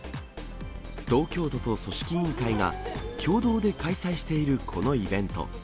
東京都と組織委員会が共同で開催しているこのイベント。